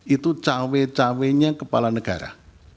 itu cawe cawenya kepala negara